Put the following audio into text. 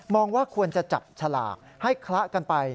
ว่าควรจะจับฉลากให้คละกันไป